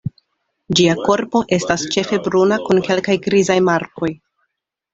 Ĝia korpo estas ĉefe bruna kun kelkaj grizaj markoj.